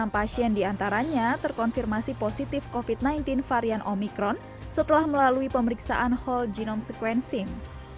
enam pasien diantaranya terkonfirmasi positif covid sembilan belas varian omikron setelah melalui pemeriksaan whole genome sequencing